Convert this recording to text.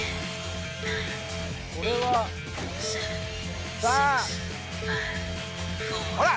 これはさあほら！